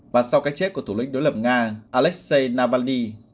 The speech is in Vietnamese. và sau cái chết của thủ lĩnh đối lập nga alexei nabali